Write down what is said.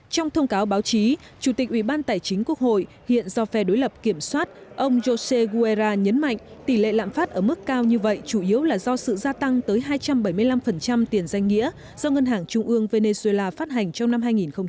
trong thông cáo báo chí chủ tịch ubnd hiện do phe đối lập kiểm soát ông jose guerra nhấn mạnh tỷ lệ lạm phát ở mức cao như vậy chủ yếu là do sự gia tăng tới hai trăm bảy mươi năm tiền danh nghĩa do ngân hàng trung ương venezuela phát hành trong năm hai nghìn hai mươi